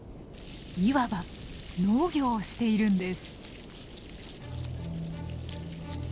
いわば農業をしているんです。